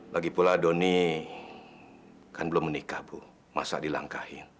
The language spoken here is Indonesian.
lagipula doni kan belum menikah bu masa dilangkahin